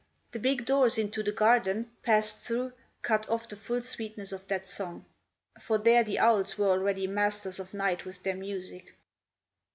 The big doors into the garden, passed through, cut off the full sweetness of that song; for there the owls were already masters of night with their music.